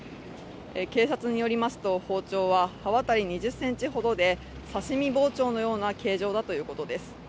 警察によりますと、包丁は刃渡り２０ｃｍほどで刺身包丁のような形状だということです。